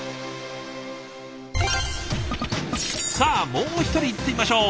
さあもう一人いってみましょう。